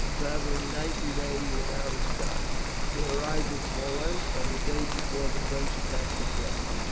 Travelling night and day without a stop, they arrived at Smolensk on the day before the French attacked the place.